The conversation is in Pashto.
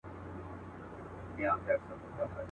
د رنځور لېوه ژړا یې اورېدله.